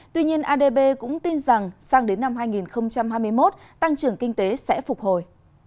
tuy nhiên adb cũng tin rằng sang đến năm hai nghìn hai mươi một tăng trưởng kinh tế sẽ phục hồi